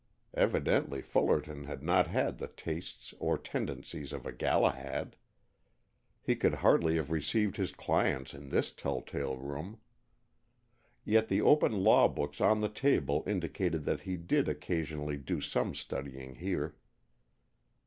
Evidently Fullerton had not had the tastes or tendencies of a Galahad. He could hardly have received his clients in this telltale room. Yet the open law books on the table indicated that he did occasionally do some studying here.